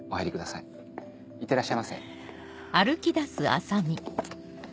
いってらっしゃいませ。